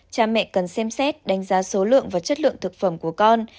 cha mẹ cần xem xét đánh giá số lượng và chất lượng thực phẩm của con